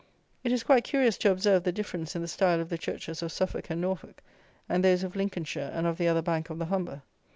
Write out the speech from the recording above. It is quite curious to observe the difference in the style of the churches of Suffolk and Norfolk, and those of Lincolnshire, and of the other bank of the Humber.